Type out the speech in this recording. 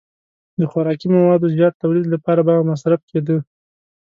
د خوراکي موادو زیات تولید لپاره به مصرف کېده.